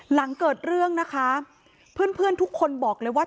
หลังเกิดเรื่องนะคะเพื่อนทุกคนบอกเลยว่า